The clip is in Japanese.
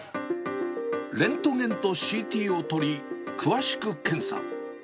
レントゲンとＣＴを撮り、詳しく検査。